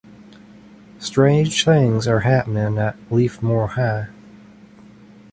Strange things are happening at Leafmore High.